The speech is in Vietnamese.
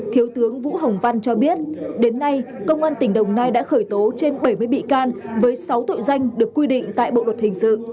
thiếu tướng vũ hồng văn cho biết đến nay công an tỉnh đồng nai đã khởi tố trên bảy mươi bị can với sáu tội danh được quy định tại bộ luật hình sự